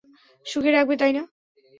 সুখে রাখবে, তাই না?